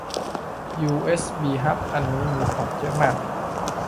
ยูเอสบีฮับอันนี้มีพอร์ตเยอะมาก